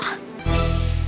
yuk yuk yuk